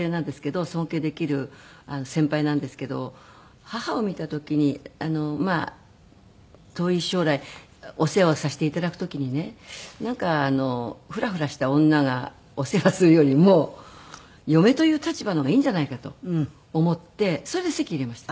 尊敬できる先輩なんですけど義母を見た時にまあ遠い将来お世話をさせて頂く時にねなんかフラフラした女がお世話するよりも嫁という立場の方がいいんじゃないかと思ってそれで籍入れました。